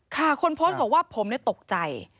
คนโพสต์บอกว่าผมตกใจ